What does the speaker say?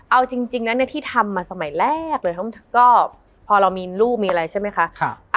เอาจริงจริงนะเนี้ยที่ทำมาสมัยแรกเลยทำก็พอเรามีรูปมีอะไรใช่ไหมค่ะค่ะ